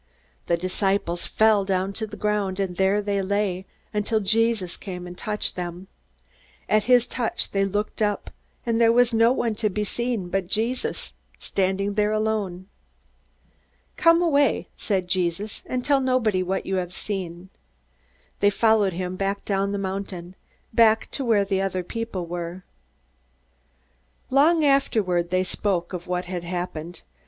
The disciples fell down to the ground, and there they lay until Jesus came and touched them. At his touch they looked up, and there was no one to be seen but Jesus standing there alone. "Come away," said Jesus, "and tell nobody what you have seen." They followed him down the mountain, back to where other people were. Long afterward, they spoke of what had happened.